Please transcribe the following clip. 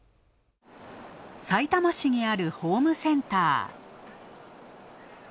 さいたま市にあるホームセンター。